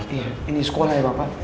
iya ini sekolah ya bapak